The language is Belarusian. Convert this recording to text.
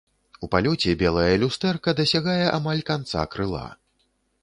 У палёце белае люстэрка дасягае амаль канца крыла.